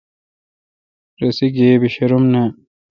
رسے گیبہ شروم نان۔